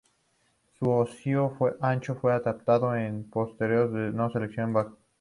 Su hocico ancho fue adaptado para un pastoreo no selectivo bajo.